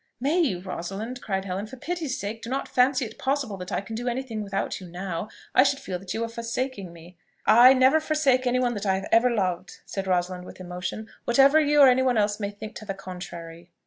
"May you, Rosalind?" cried Helen. "For pity's sake, do not fancy it possible that I can do anything without you now: I should feel that you were forsaking me." "I never forsake any one that I have ever loved," said Rosalind with emotion, "whatever you or any one else may think to the contrary."